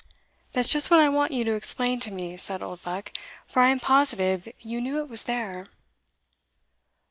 "That's just what I want you to explain to me," said Oldbuck; "for I am positive you knew it was there."